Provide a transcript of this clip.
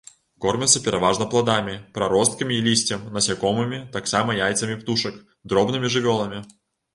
Кормяцца пераважна пладамі, праросткамі і лісцем, насякомымі, таксама яйцамі птушак, дробнымі жывёламі.